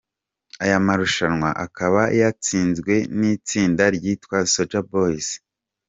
Aya marushanwa akaba yatsinzwe n’itsinda ryitwa Soldier Boys.